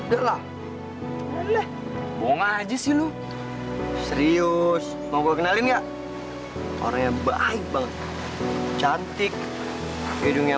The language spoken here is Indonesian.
kalau dia masih ada pasti kalian bisa jadi teman dekat